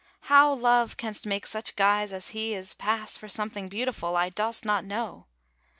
How love canst make such guys as he is pass For something beautiful, I dost not know.